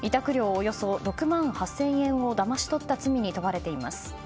およそ６万８０００円をだまし取った罪に問われています。